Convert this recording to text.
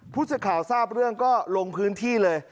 ผู้สื่อข่าวทราบเรื่องก็ลงพื้นที่เลย